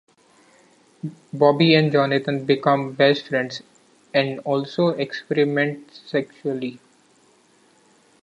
Bobby and Jonathan become best friends, and also experiment sexually.